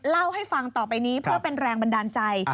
เล่าให้ฟังต่อไปนี้เพื่อเป็นแรงบันดาลใจ